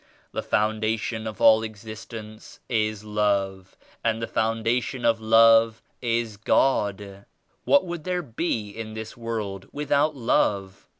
The foundation of all existence is Love and the foundation of Love is God. What would there be in this world without love?